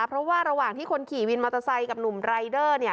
เพราะว่าระหว่างที่คนขี่วินมอเตอร์ไซค์กับหนุ่มรายเดอร์เนี่ย